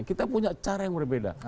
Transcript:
kita punya cara yang berbeda